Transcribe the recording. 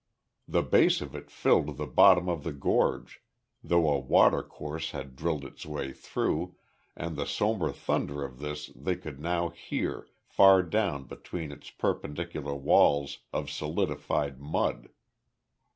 The base of it filled the bottom of the gorge, though a watercourse had drilled its way through, and the sombre thunder of this they could now hear, far down between its perpendicular walls of solidified mud.